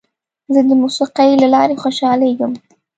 زه د موسیقۍ له لارې خوشحالېږم.